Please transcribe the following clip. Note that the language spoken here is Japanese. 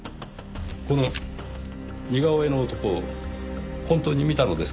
この似顔絵の男を本当に見たのですか？